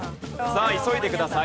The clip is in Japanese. さあ急いでください。